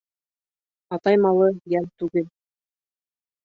Атай малы йәл түгел.